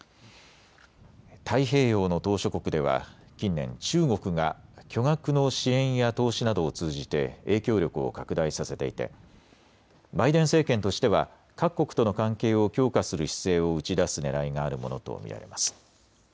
太平洋の島しょ国では近年、中国が巨額の支援や投資などを通じて影響力を拡大させていてバイデン政権としては各国との関係を強化する姿勢を打ち出すねらいがあるものと見られます。